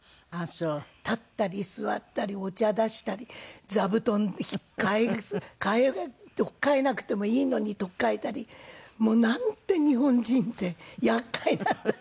立ったり座ったりお茶出したり座布団取っ換えなくてもいいのに取っ換えたりもうなんて日本人って厄介なんだろう。